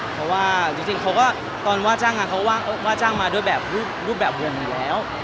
เพราะว่าตอนว่าจ้างงานเขาว่าจ้างมาด้วยรูปแบบวงอยู่แล้ว